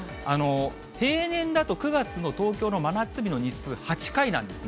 平年だと９月の東京の真夏日の日数８回なんですね。